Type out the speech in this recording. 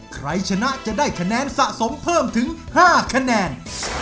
ใครชนะจะได้คะแนนสะสมเพิ่มถึง๕คะแนน